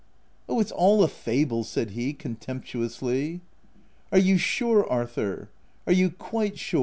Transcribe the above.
Oh, it's all a fable ;" said he, contempt uously. u Are you sure, Arthur 1 are you quite sure